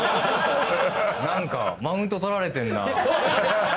何かマウント取られてんな。